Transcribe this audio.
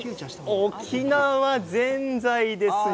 沖縄ぜんざいです。